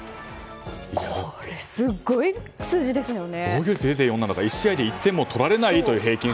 すごい数字ですよね。